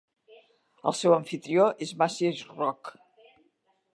El seu amfitrió és Maciej Rock.